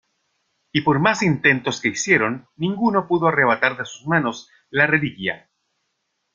Y por más intentos que hicieron ninguno pudo arrebatar de sus manos la reliquia.